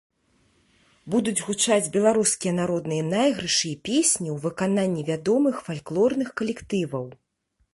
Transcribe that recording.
Будуць гучаць беларускія народныя найгрышы і песні ў выкананні вядомых фальклорных калектываў.